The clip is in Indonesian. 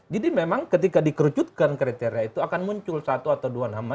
jadi memang ketika dikerucutkan kriteria itu akan muncul satu atau dua nama